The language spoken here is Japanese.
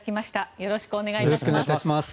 よろしくお願いします。